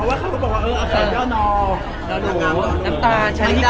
เออกำ